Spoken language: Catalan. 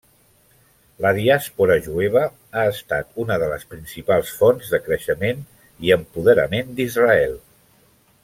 La diàspora jueva ha estat una de les principals fonts de creixement i empoderament d'Israel.